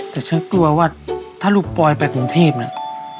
แต่ฉันกลัวว่าถ้าลูกปอยไปกรุงเทพนะ